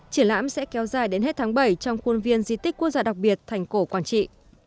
triển lãm sẽ kéo dài đến hết tháng bảy trong khuôn viên di tích quốc gia đặc biệt thành cổ quảng trị